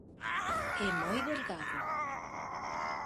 E moi delgado.